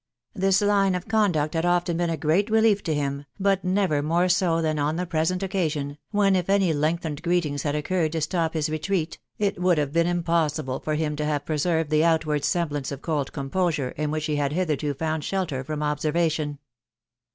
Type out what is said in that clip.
This line of conduct had often been a great relief to him, but never more so than on the pre sent occasion, when, if any lengthened greetings had occurred to stop his retreat, it would have been impossible fipr him to have preserved the outward semblance of cold composure in wliich be had hitherto found shelter from observation.